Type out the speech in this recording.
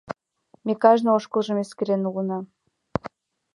Ме кажне ошкылжым эскерен улына.